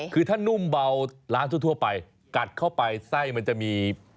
คือถ้านุ่มเบาร้านทั่วไปกัดเข้าไปไส้มันจะมี